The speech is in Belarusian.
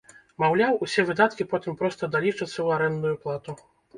Маўляў, усе выдаткі потым проста далічацца ў арэндную плату.